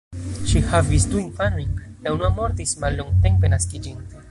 Ŝi havis du infanojn, la unua mortis mallongtempe naskiĝinte.